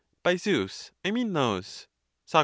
By Zeus, I mean those. Soc.